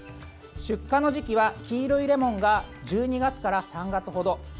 出荷の時期は、黄色いレモンが１２月から３月ほど。